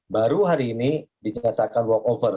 baru hari ini dinyatakan work over